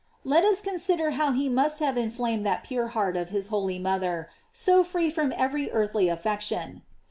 "* Let us consider how he must have inflamed that pure heart of his holy mother, so free from every earthly affec tion.